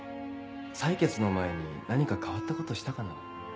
採血の前に何か変わったことしたかな？